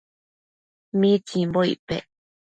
¿mitsimbo icpec